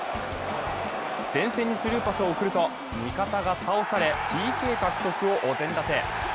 前線にスルーパスを送ると、味方が倒されＰＫ獲得をお膳立て。